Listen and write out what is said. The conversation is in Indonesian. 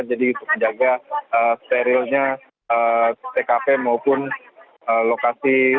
jadi terjaga sterilnya tkp maupun lokasi